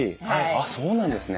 あっそうなんですね。